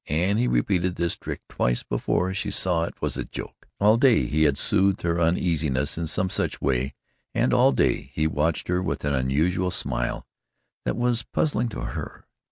And he repeated this trick twice before she saw that it was a joke. All day he had soothed her uneasiness in some such way and all day he watched her with an amused smile that was puzzling to her.